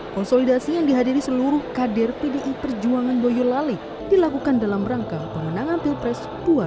konsolidasi yang dihadiri seluruh kader pdi perjuangan boyolali dilakukan dalam rangka pemenangan pilpres dua ribu sembilan belas